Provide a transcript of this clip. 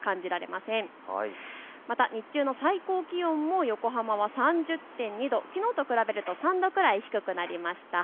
また日中の最高気温、横浜は３０．２度、きのうと比べると３度くらい低くなりました。